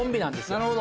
なるほど。